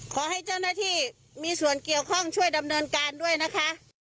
ขอให้เจ้าหน้าที่มีส่วนเกี่ยวข้องช่วยดำเนินการด้วยนะคะ